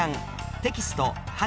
テキスト８